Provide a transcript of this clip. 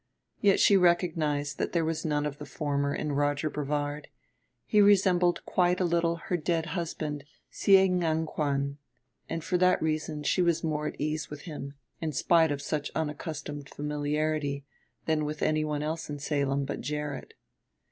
Yet she recognized that there was none of the former in Roger Brevard; he resembled quite a little her dead husband, Sié Ngan kwán; and for that reason she was more at ease with him in spite of such unaccustomed familiarity than with anyone else in Salem but Gerrit.